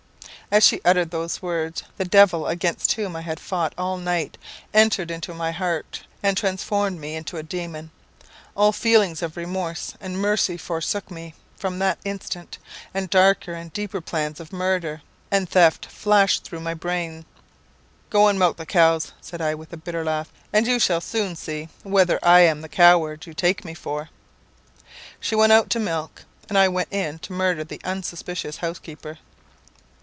"As she uttered those words, the devil, against whom I had fought all night, entered into my heart, and transformed me into a demon. All feelings of remorse and mercy forsook me from that instant, and darker and deeper plans of murder and theft flashed through my brain. 'Go and milk the cows,' said I with a bitter laugh, 'and you shall soon see whether I am the coward you take me for.' She went out to milk, and I went in to murder the unsuspicious housekeeper.